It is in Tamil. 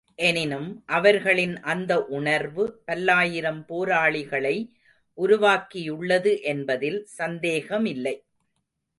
எனினும், அவர்களின் அந்த உணர்வு பல்லாயிரம் போராளிகளை உருவாக்கியுள்ளது என்பதில் சந்தேகமில்லை.